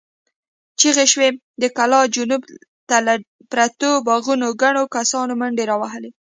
چيغې شوې، د کلا جنوب ته له پرتو باغونو ګڼو کسانو منډې را وهلې.